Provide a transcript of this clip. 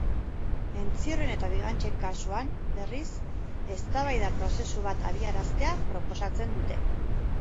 Entzierroen eta bigantxen kasuan, berriz, eztabaida prozesu bat abiaraztea proposatzen dute.